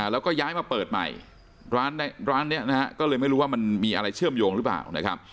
แล้วก็ย้ายมาเปิดใหม่ร้านนี้นะฮะก็เลยไม่รู้ว่ามันมีอะไรเชื่อมโยงหรือเปล่านะครับ